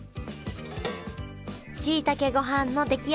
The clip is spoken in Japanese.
しいたけごはんの出来上がりやりました